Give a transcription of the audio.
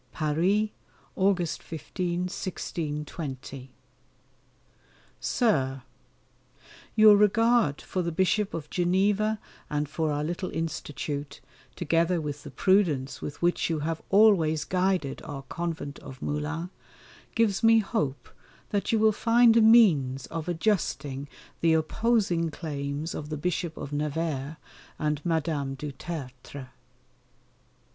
PARIS, August 15, 1620. SIR, Your regard for the Bishop of Geneva and for our little Institute, together with the prudence with which you have always guided our Convent of Moulins, gives me hope that you will find a means of adjusting the opposing claims of the Bishop of Nevers and Madame du Tertre.